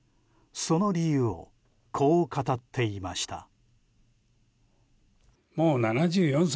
その理由をこう語っていました。